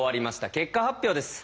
結果発表です。